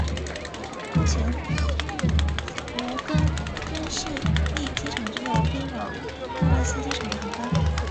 目前摩根敦市立机场只有飞往杜勒斯机场的航班。